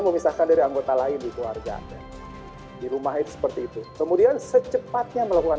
memisahkan dari anggota lain di keluarga di rumah itu seperti itu kemudian secepatnya melakukan